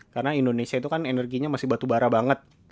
karena indonesia itu kan energinya masih batubara banget